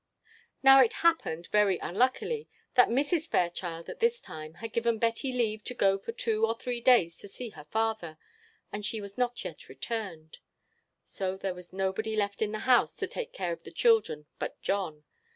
Now it happened, very unluckily, that Mrs. Fairchild, at this time, had given Betty leave to go for two or three days to see her father, and she was not yet returned; so there was nobody left in the house to take care of the children but John.